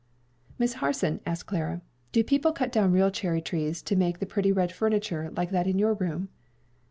"Miss Harson," asked Clara, "do people cut down real cherry trees to make the pretty red furniture like that in your room?"